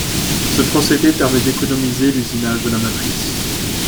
Ce procédé permet d'économiser l'usinage de la matrice.